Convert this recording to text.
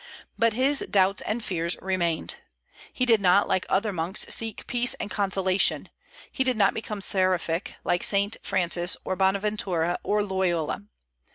But his doubts and fears remained. He did not, like other monks, find peace and consolation; he did not become seraphic, like Saint Francis, or Bonaventura, or Loyola.